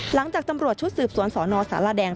หลังจากตำรวจชุดสืบสวนสนสารแดง